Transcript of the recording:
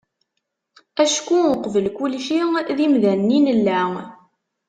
Acku uqbel kulci d imdanen i nella.